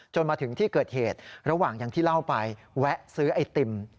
มาถึงที่เกิดเหตุระหว่างอย่างที่เล่าไปแวะซื้อไอติม